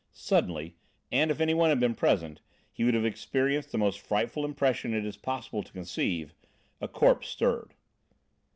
Suddenly and if anyone had been present, he would have experienced the most frightful impression it is possible to conceive a corpse stirred.